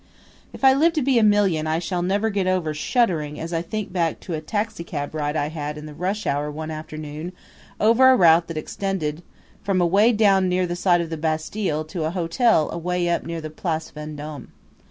If I live to be a million I shall never get over shuddering as I think back to a taxicab ride I had in the rush hour one afternoon over a route that extended from away down near the site of the Bastille to a hotel away up near the Place Vendome.